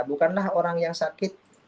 bukanlah orang yang sakit